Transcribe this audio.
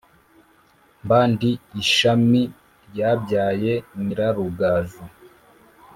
mba ndi ishami ryabyaye nyirarugaju.